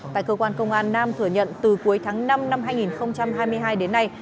tại cơ quan công an nam thừa nhận từ cuối tháng năm năm hai nghìn hai mươi hai đến nay